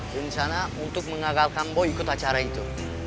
rencana untuk mengagalkan bo ikut acara itu